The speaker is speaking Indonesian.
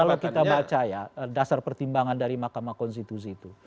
kalau kita baca ya dasar pertimbangan dari mahkamah konstitusi itu